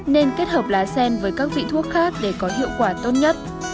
nên kết hợp lá sen với các vị thuốc khác để có hiệu quả tốt nhất